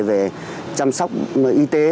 về chăm sóc y tế